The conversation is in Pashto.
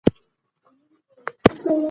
له فضا ځمکې ته کتل ډېر ښکلي منظره وړاندې کوي.